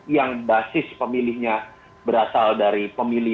yang basis pemilihnya berasal dari pemilih